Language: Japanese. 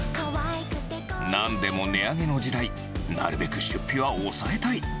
なんでも値上げの時代、なるべく出費は抑えたい。